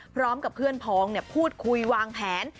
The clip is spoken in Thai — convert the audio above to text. พร้อมกับเพื่อนพองพูดคุยวางแผน